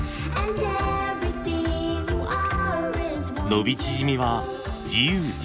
伸び縮みは自由自在。